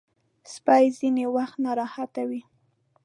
سپي ځینې وخت ناراحته وي.